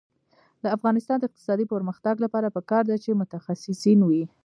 د افغانستان د اقتصادي پرمختګ لپاره پکار ده چې متخصصین وي.